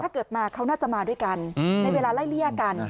เกิดมาเขาน่าจะมาด้วยกันในเวลาไล่เลี่ยกัน